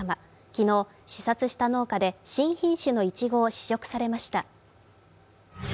昨日、視察した農家で、新品種のいちごを試食されました。